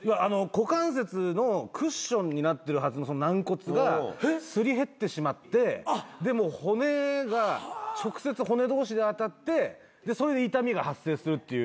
股関節のクッションになってるはずの軟骨がすり減ってしまってでもう骨が直接骨同士で当たってそれで痛みが発生するっていう。